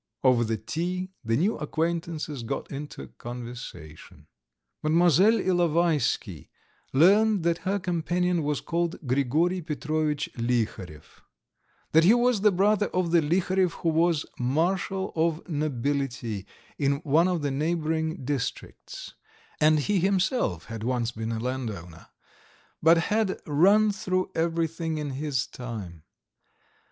..." Over the tea the new acquaintances got into conversation. Mlle. Ilovaisky learned that her companion was called Grigory Petrovitch Liharev, that he was the brother of the Liharev who was Marshal of Nobility in one of the neighbouring districts, and he himself had once been a landowner, but had "run through everything in his time."